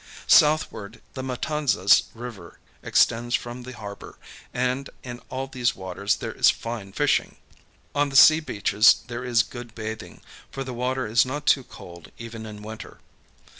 Southward, the Matanzas River extends from the harbor; and in all these waters there is fine fishing. On the sea beaches there is good bathing, for the water is not too cold even in winter.